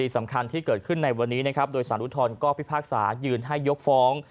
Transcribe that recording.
สำคัญที่เกิดขึ้นในวันนี้นะครับโดยสารอุทธรณ์ก็พิพากษายืนให้ยกฟ้อง